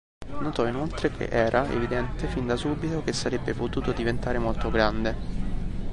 Notò inoltre che "Era evidente fin da subito che sarebbe potuto diventare molto grande.